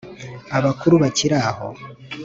Abakuru bakili aho